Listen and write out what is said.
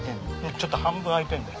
ちょっと半分開いてんの。